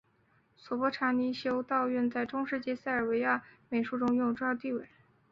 索泼查尼修道院在中世纪塞尔维亚美术中拥有重要地位。